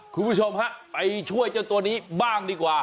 คุณผู้ชมฮะไปช่วยเจ้าตัวนี้บ้างดีกว่า